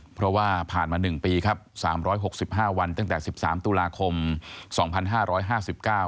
เพราะว่าผ่านมาหนึ่งปี๓๖๕วันตั้งแต่๑๓ตุลาคม๒๕๕๙วัน